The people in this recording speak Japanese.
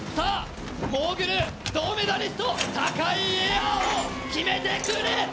モーグル銅メダリスト高いエアを決めてくれ。